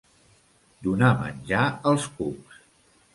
Donar menjar als cucs.